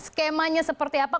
skemanya seperti apa